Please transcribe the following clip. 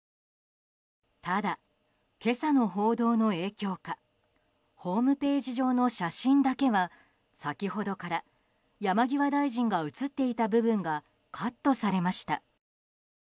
ただ、今朝の報道の影響かホームページ上の写真だけは先ほどから山際大臣が写っていた部分がカットされました。